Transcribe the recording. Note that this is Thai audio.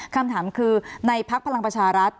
คำถามคือในภักดิ์พลังประชารัฐ